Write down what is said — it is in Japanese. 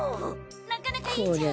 なかなかいいじゃん！